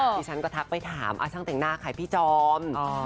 ดิฉันก็ทักไปถามช่างแต่งหน้าใครพี่จอม